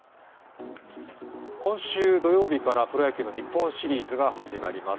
今週土曜日からプロ野球の日本シリーズが始まります。